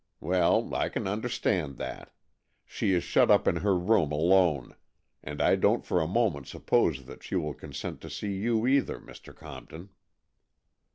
Well, I can understand that. She is shut up in her room alone, and I don't for a moment suppose that she will consent to see you either, Mr. Compton."